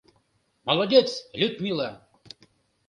Молодец, Людмила!